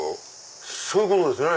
そういうことですね。